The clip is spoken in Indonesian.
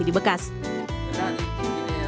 ini adalah bahan yang dibekas